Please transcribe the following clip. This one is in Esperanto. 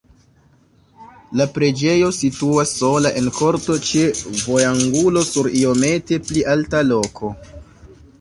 La preĝejo situas sola en korto ĉe vojangulo sur iomete pli alta loko.